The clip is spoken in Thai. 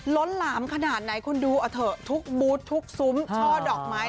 ล้นหลามขนาดไหนคุณดูเอาเถอะทุกบูธทุกซุ้มช่อดอกไม้